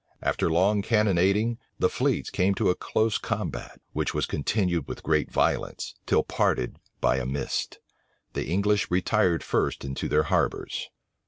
After long cannonading, the fleets came to a close combat; which was continued with great violence, till parted by a mist. The English retired first into their harbors.